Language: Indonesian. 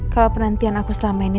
kalau penantian aku selama ini